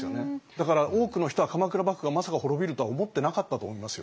だから多くの人は鎌倉幕府がまさか滅びるとは思ってなかったと思いますよ。